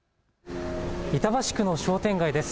板橋区の商店街です。